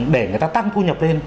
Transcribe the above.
để người ta tăng thu nhập lên